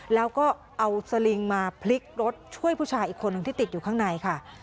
แล้วก็เอาสลิงมาพลิกรถช่วยผู้ชายอีกคนหนึ่งที่ติดอยู่ข้างในค่ะ